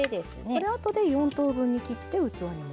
これ後で４等分に切って器に盛る？